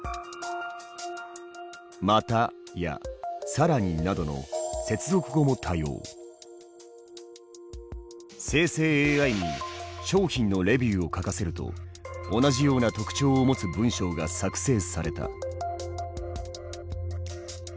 「また」や「さらに」などの生成ＡＩに商品のレビューを書かせると同じような特徴を持つ文章が作成された。